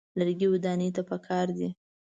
لرګي ودانۍ ته پکار دي.